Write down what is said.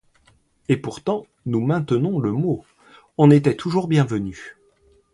Et pourtant, nous maintenons le mot, on était toujours bienvenu.